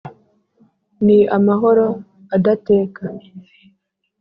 ni amahoro adateka